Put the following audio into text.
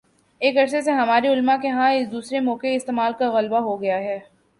ایک عرصے سے ہمارے علما کے ہاں اس دوسرے موقعِ استعمال کا غلبہ ہو گیا ہے